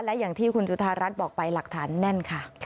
และอย่างที่คุณจุธารัฐบอกไปหลักฐานแน่นค่ะ